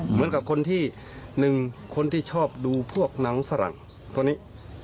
เหมือนกับคนที่หนึ่งคนที่ชอบดูพวกหนังฝรั่งตัวนี้